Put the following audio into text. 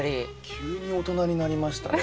急に大人になりましたね。